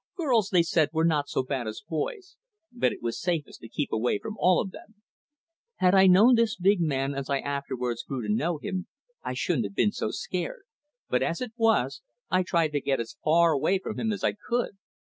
Girls, they said, were not so bad as boys, but it was safest to keep away from all of them. Had I known this big man as I afterwards grew to know him, I shouldn't have been so scared; but as it was, I tried to get as far away from him as I could.